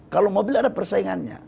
kalau mobil ada persaingannya